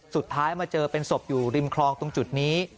สุดท้ายมาเจอเป็นศพอยู่ริมคลองตรงจุดนี้